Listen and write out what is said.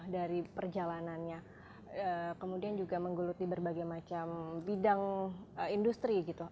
dari perjalanannya kemudian juga menggeluti berbagai macam bidang industri gitu